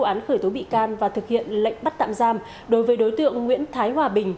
cơ quan cảnh sát điều tra công an khởi tố bị can và thực hiện lệnh bắt tạm giam đối với đối tượng nguyễn thái hòa bình